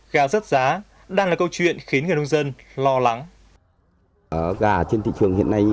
gà rất giá đang là câu chuyện khiến người nông dân lo lắng